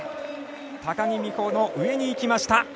高木美帆の上にいきました。